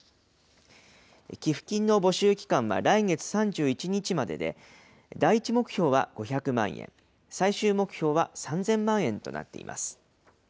寄付金の募集期間は来月３１日までで、第１目標は５００万円、最終目標は３０００万円となっています。